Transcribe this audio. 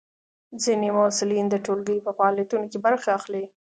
ځینې محصلین د ټولګي په فعالیتونو کې برخه اخلي.